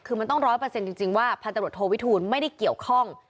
คือมันต้องร้อยเปอร์เซ็นจริงว่าพันตรวจโทวิทูลไม่ได้เกี่ยวข้อง